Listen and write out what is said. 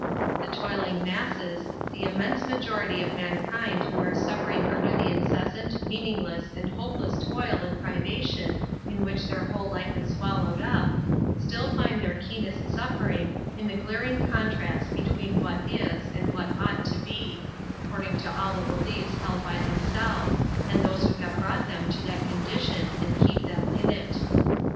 The toiling masses, the immense majority of mankind who are suffering under the incessant, meaningless, and hopeless toil and privation in which their whole life is swallowed up, still find their keenest suffering in the glaring contrast between what is and what ought to be, according to all the beliefs held by themselves, and those who have brought them to that condition and keep them in it.